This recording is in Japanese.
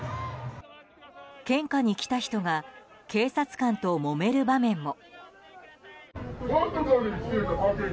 献花に来た人が警察官ともめる場面も。